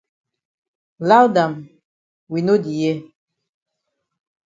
Loud am we no di hear.